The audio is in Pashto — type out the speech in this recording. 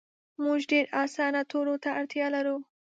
مونږ ډیر اسانه تورو ته اړتیا لرو